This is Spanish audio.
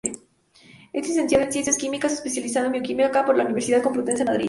Es licenciado en Ciencias Químicas, especializado en Bioquímica por la Universidad Complutense de Madrid.